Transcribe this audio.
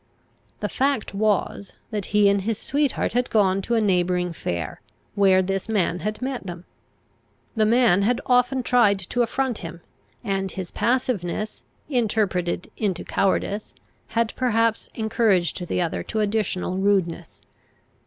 The fact was, that he and his sweetheart had gone to a neighbouring fair, where this man had met them. The man had often tried to affront him; and his passiveness, interpreted into cowardice, had perhaps encouraged the other to additional rudeness.